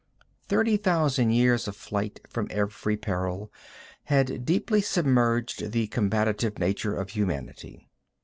Thirty thousand years of flight from every peril had deeply submerged the combative nature of humanity.